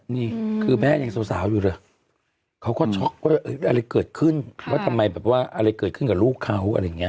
นี่คือแม่ยังสาวอยู่เลยเขาก็ช็อกว่าอะไรเกิดขึ้นว่าทำไมแบบว่าอะไรเกิดขึ้นกับลูกเขาอะไรอย่างนี้